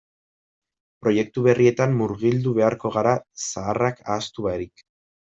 Proiektu berrietan murgildu beharko gara zaharrak ahaztu barik.